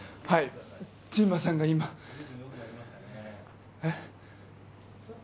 はい陣馬さんが今えっ？